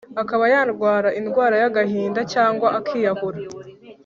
akaba yarwara indwara y’agahinda cyangwa akiyahura.